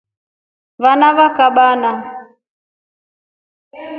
Vana va kabana.